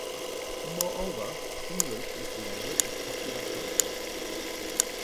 Moreover, English is the language of popular culture.